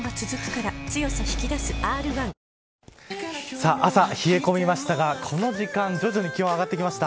さあ、朝冷え込みましたがこの時間、徐々に気温が上がってきました。